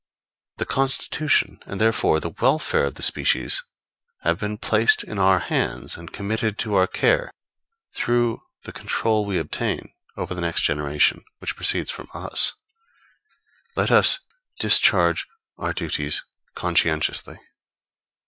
The constitution and, therefore, the welfare of the species have been placed in our hands and committed to our care, through the control we obtain over the next generation, which proceeds from us; let us discharge our duties conscientiously_.